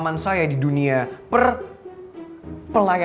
apa yang perphk